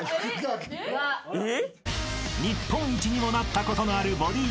［日本一にもなったことのあるボディ